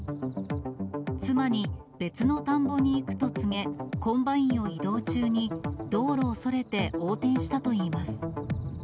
妻に別の田んぼに行くと告げ、コンバインを移動中に道路をそれて横転したといいます。